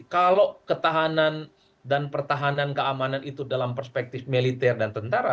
kalau ketahanan dan pertahanan keamanan itu dalam perspektif militer dan tentara